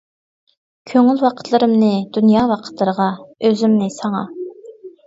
كۆڭۈل ۋاقىتلىرىمنى دۇنيا ۋاقىتلىرىغا، ئۆزۈمنى ساڭا!